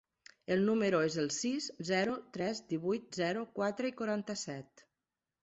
El meu número es el sis, zero, tres, divuit, zero, quatre, quaranta-set.